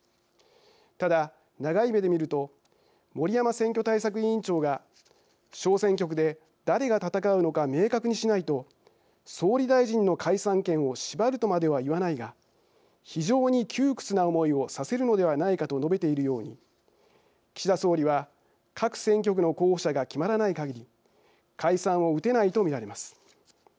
ただ、長い目で見ると森山選挙対策委員長が「小選挙区で誰が戦うのか明確にしないと総理大臣の解散権を縛るとまでは言わないが非常に窮屈な思いをさせるのではないか」と述べているように岸田総理は各選挙区の候補者が決まらないかぎり解散を打てないと見られます。